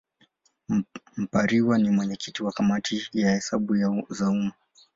Mpariwa ni mwenyekiti wa Kamati ya Hesabu za Umma.